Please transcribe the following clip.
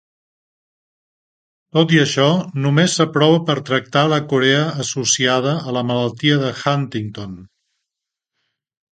Tot i això, només s'aprova per tractar la corea associada a la malaltia de Huntington.